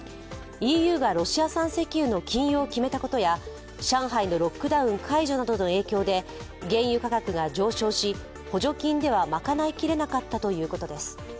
ＥＵがロシア産石油の禁輸を決めたことや上海のロックダウン解除などの影響で原油価格が上昇し、補助金ではまかないきれなかったということです。